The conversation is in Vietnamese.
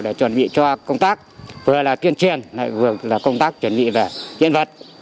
để chuẩn bị cho công tác vừa là tuyên truyền vừa là công tác chuẩn bị về hiện vật